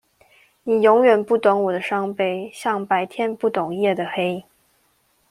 你永遠不懂我傷悲，像白天不懂夜的黑